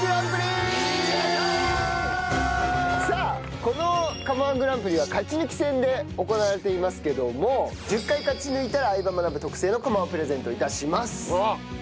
さあこの釜−１グランプリは勝ち抜き戦で行われていますけども１０回勝ち抜いたら『相葉マナブ』特製の釜をプレゼント致します。